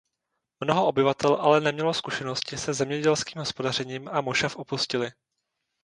Mnoho obyvatel ale nemělo zkušenosti se zemědělským hospodařením a mošav opustili.